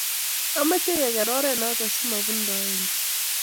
Ameche ke ker oret noto simobundoe biik